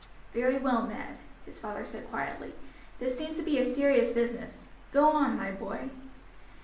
"Very well, Ned," his father said quietly; "this seems to be a serious business. Go on, my boy."